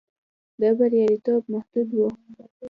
دا بریالیتوب محدود و.